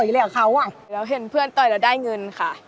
แล้วผมเห็นเพื่อนต่อยแล้วได้เงินค่ะ